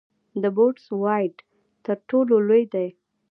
د بوټس وایډ تر ټولو لوی دی.